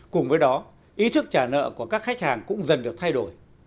cùng với đó ý thức trả nợ của các khách hàng cũng dần được thay đổi